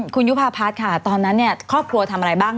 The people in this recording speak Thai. คุณยุภาพัฒน์ค่ะตอนนั้นเนี่ยครอบครัวทำอะไรบ้าง